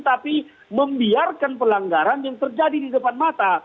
tapi membiarkan pelanggaran yang terjadi di depan mata